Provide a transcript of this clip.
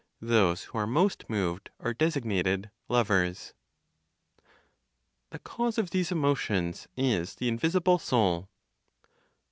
Those who are most moved are designated "lovers." THE CAUSE OF THESE EMOTIONS IS THE INVISIBLE SOUL.